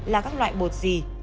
là các loại bột gì